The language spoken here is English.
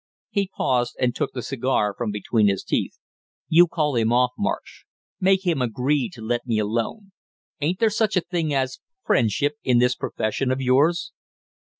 He paused and took the cigar from between his teeth. "You call him off, Marsh, make him agree to let me alone; ain't there such a thing as friendship in this profession of yours?"